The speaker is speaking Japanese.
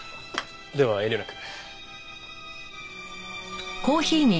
では遠慮なく。